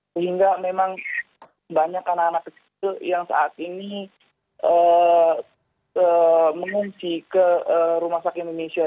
sehingga memang banyak anak anak kecil yang saat ini mengungsi ke rumah sakit indonesia